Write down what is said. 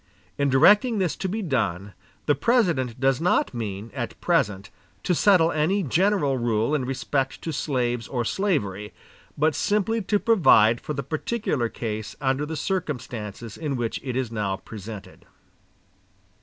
In directing this to be done, the President does not mean, at present, to settle any general rule in respect to slaves or slavery, but simply to provide for the particular case under the circumstances in which it is now presented."